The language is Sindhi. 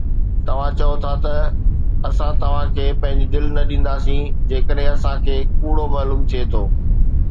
توهان چئو ٿا ته اسان توهان کي پنهنجي دل نه ڏينداسين جيڪڏهن اسان کي ڪوڙو معلوم ٿئي ٿو